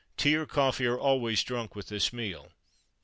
Tea or coffee are always drunk with this meal.